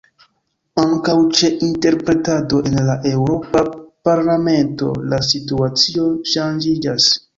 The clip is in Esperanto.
Ankaŭ ĉe interpretado en la Eŭropa Parlamento la situacio ŝanĝiĝas.